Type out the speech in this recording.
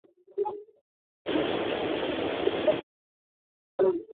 তাকে ধরা মাত্রই আমি নিজের কাজ শুরু করে দিলাম।